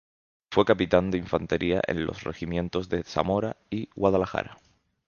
Fue capitán de infantería en los regimientos de Zamora y Guadalajara.